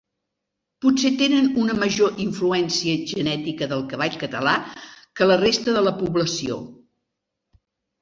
Potser tenen una major influència genètica del cavall català que la resta de població.